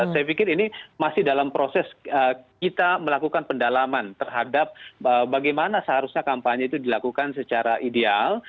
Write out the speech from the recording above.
saya pikir ini masih dalam proses kita melakukan pendalaman terhadap bagaimana seharusnya kampanye itu dilakukan secara ideal